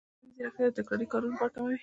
مصنوعي ځیرکتیا د تکراري کارونو بار کموي.